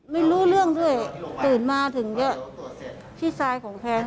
ไม่รู้เรื่องด้วยตื่นมาถึงก็พี่ชายของแฟน